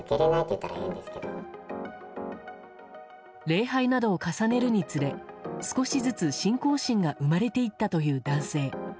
礼拝などを重ねるにつれ少しずつ信仰心が生まれていったという男性。